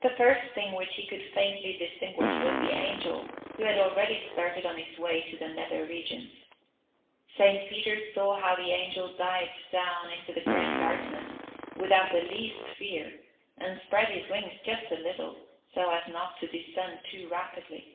The first thing which he could faintly distinguish was the angel, who had already started on his way to the nether regions. Saint Peter saw how the angel dived down into the great darkness, without the least fear, and spread his wings just a little, so as not to descend too rapidly.